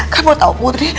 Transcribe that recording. kamu tahu putri